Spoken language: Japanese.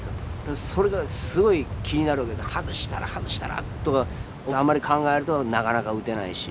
それがすごい気になるわけで外したら外したらとかあんまり考えるとなかなか撃てないし。